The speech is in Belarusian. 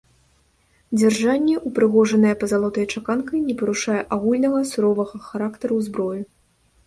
Дзяржанне, упрыгожанае пазалотай і чаканкай, не парушае агульнага суровага характару зброі.